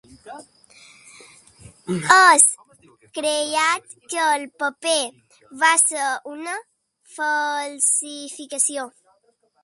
Es creia que el paper va ser una falsificació.